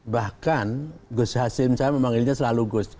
bahkan gus hasim saya memanggilnya selalu gus